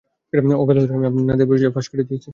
অজ্ঞাতসারে আমি আপনার নাতির পরিচয় ফাঁস করে দিয়েছি।